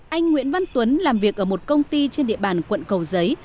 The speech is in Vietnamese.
anh nguyễn văn tuấn làm việc ở một công ty trên địa bàn quận cầu giấy